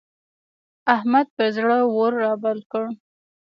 احمد پر زړه اور رابل کړ.